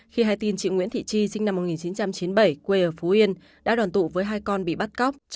khi hai tin chị nguyễn thị chi sinh năm một nghìn chín trăm chín mươi bảy quê ở phú yên đã đoàn tụ với hai con bị bắt cóc